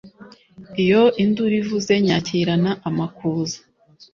Iyo induru ivuze nyakirana amakuza